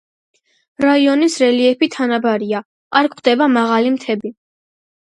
რაიონის რელიეფი თანაბარია, არ გვხვდება მაღალი მთები.